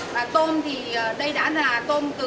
và tôm thì đây đã là tôm